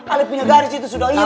ale punya garis itu sudah hilang